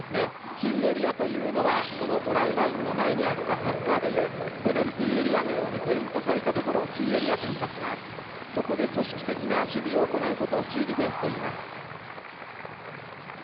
キーエリアというのはトライラインの前にあるサッカーでいうペナルティーエリアのようにペイントされたところをキーエリアといいますがそこで、組織的な守備を行うことをキーディフェンスといいます。